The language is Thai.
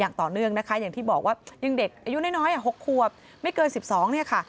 อย่างต่อเนื่องนะคะอย่างที่บอกว่ายังเด็กอายุน้อย๖ควบไม่เกิน๑๒เนี่ยค่ะ